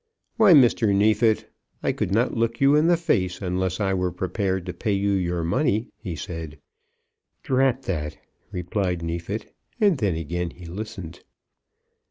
"Why, Mr. Neefit, I could not look you in the face unless I were prepared to pay you your money," he said. "Drat that," replied Neefit, and then again he listened.